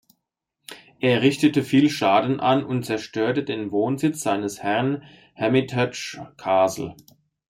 Er richtete viel Schaden an und zerstörte den Wohnsitz seines Herrn, Hermitage Castle.